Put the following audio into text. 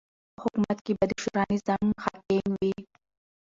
په حکومت کی به د شورا نظام حاکم وی